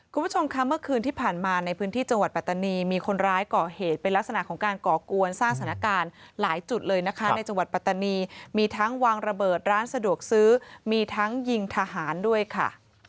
คุณผู้ชมค่ะเมื่อคืนที่ผ่านมาในพื้นที่จังหวัดปัตตานีมีคนร้ายก่อเหตุเป็นลักษณะของการก่อกวนสร้างสถานการณ์หลายจุดเลยนะคะในจังหวัดปัตตานีมีทั้งวางระเบิดร้านสะดวกซื้อมีทั้งยิงทหารด้วยค่ะ